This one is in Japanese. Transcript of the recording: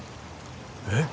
えっ？